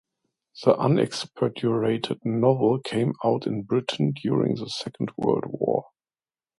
The unexpurgated novel came out in Britain during the Second World War.